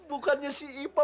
bukannya si ipa